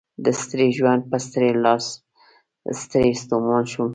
د ستړي ژوند په ستړي لار ستړی ستومان شوم